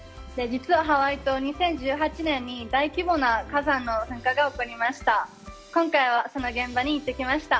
実は、ハワイ島、２０１８年に大規模な火山の噴火が起こりました。